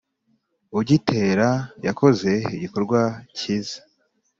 ugitera yakoze igikorwa cyiza